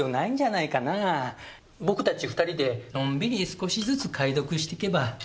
僕たち２人でのんびり少しずつ解読してけば。